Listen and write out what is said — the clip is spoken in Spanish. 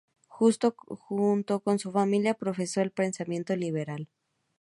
Junto con su familia profesó el pensamiento liberal.